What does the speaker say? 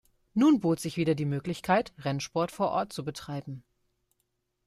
Nun bot sich wieder die Möglichkeit, Rennsport vor Ort zu betreiben.